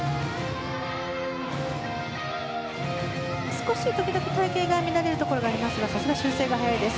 少し時々、回転が乱れるところはありますがさすが修正が早いです。